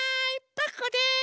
パクこです。